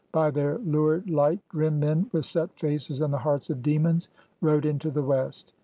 By their lurid light grim men, with set faces and the hearts of demons, rode into the west.